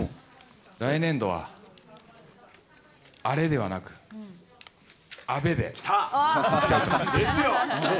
来年度はアレではなく、アベでいきたいと思います。